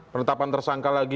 penetapan tersangka lagi